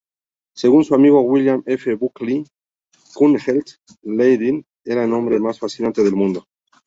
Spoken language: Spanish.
Según su amigo William F. Buckley, Kuehnelt-Leddihn era "el hombre más fascinante del mundo".